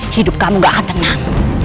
hidup kamu gak akan tenang